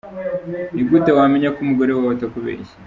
Ni gute wamenya ko umugore wawe atakubeshya.